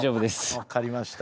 分かりました。